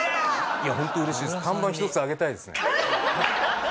本当うれしいです。